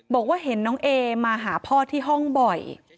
บอกว่าเห็นน้องเอมาหาพ่อที่ห้องบ่อย